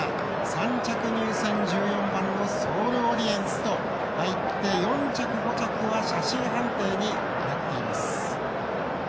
３着入線、１４番ソールオリエンスと入って４着、５着は写真判定になっています。